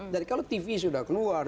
jadi kalau tv sudah keluar